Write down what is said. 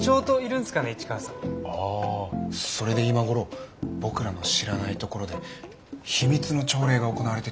それで今頃僕らの知らないところで秘密の朝礼が行われてて。